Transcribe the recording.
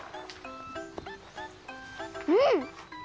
うん！